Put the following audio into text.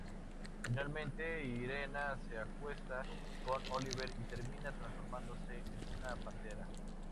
Finalmente Irena se acuesta con Oliver, y termina transformándose en una pantera.